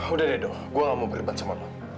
udah deh dong gue nggak mau berlibat sama lu